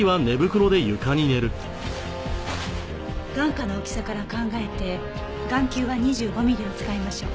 眼窩の大きさから考えて眼球は２５ミリを使いましょう。